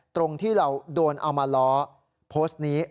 ตรงที่เราโดนเอามาล้อโพสต์นี้